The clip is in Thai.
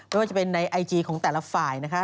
ไม่ว่าจะเป็นในไอจีของแต่ละฝ่ายนะคะ